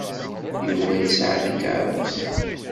Yuba yesɛa takeṛṛust.